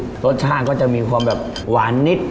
รสชาติก็จะมีความแบบหวานนิด